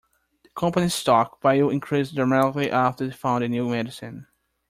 The company's stock value increased dramatically after they found a new medicine.